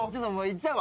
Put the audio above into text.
いっちゃう？